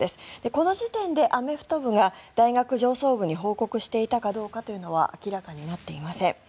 この時点でアメフト部が大学上層部に報告していたかどうかというのは明らかになっていません。